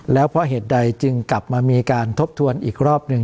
แล้วเพราะเหตุใดจึงกลับมามีการทบทวนอีกรอบหนึ่ง